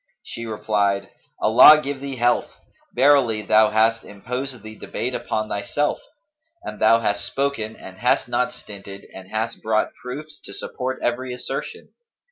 She replied, 'Allah give thee health! verily, thou hast imposed the debate upon thyself; and thou hast spoken and hast not stinted and hast brought proofs to support every assertion.